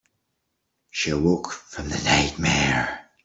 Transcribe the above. She awoke from the nightmare.